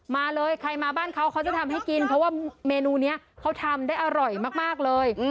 มาเลยใครมาบ้านเขาเขาจะทำให้กินเพราะว่าเมนูนี้เขาทำได้อร่อยมากเลย